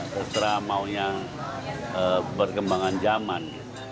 terserah maunya berkembangan zaman